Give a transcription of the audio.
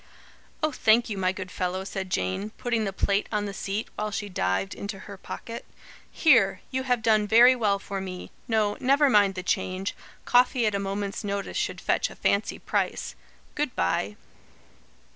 "Oh, thank you, my good fellow," said Jane, putting the plate on the seat, while she dived into her pocket. "Here! you have done very well for me. No, never mind the change. Coffee at a moment's notice should fetch a fancy price. Good bye."